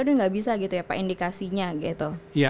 tidak bisa pak indikasinya